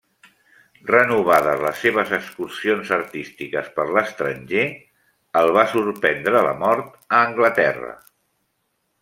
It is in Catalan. Renovades les seves excursions artístiques per l'estranger, el va sorprendre la mort a Anglaterra.